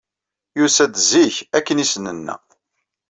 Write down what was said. Yusa-d zik, akken ay as-nenna.